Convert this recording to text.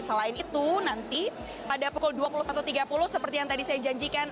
selain itu nanti pada pukul dua puluh satu tiga puluh seperti yang tadi saya janjikan